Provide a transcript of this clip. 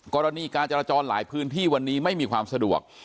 กรณีการจราจรหลายพื้นที่วันนี้ไม่มีความสะดวก